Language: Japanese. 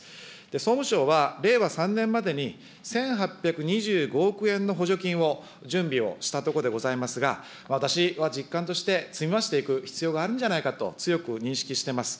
総務省は令和３年までに、１８２５億円の補助金を準備をしたところでございますが、私は実感として、積み増していく必要があるんじゃないかと、強く認識しております。